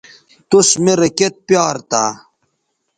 توس میرے کیئت پیار تھا